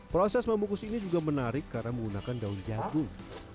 proses membungkus ini juga menarik karena menggunakan daun jagung